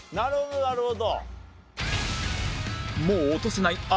なるほど。